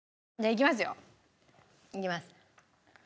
いきます。